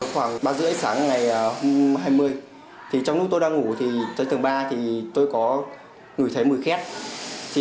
khoảng ba rưỡi sáng ngày hai mươi trong lúc tôi đang ngủ tới tầng ba tôi có người thấy mùi khét